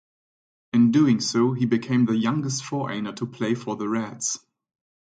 In doing so, he became the youngest foreigner to play for the "Reds".